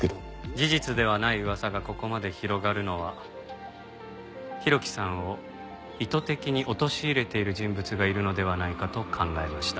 事実ではない噂がここまで広がるのは浩喜さんを意図的に陥れている人物がいるのではないかと考えました。